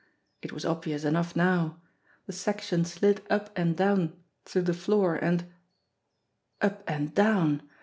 It was obvious enough now. The section slid up and down through the floor and Up and down!